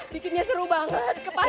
bikinnya seru banget